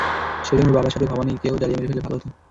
সেদিন ওর বাবার সাথে ভবানীকেও জ্বালিয়ে মেরে ফেললে ভাল হতো।